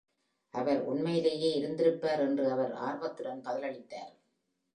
அவர் உண்மையிலேயே இருந்திருப்பார் என்று அவர் ஆர்வத்துடன் பதிலளித்தார்.